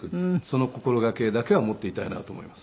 その心がけだけは持っていたいなと思います。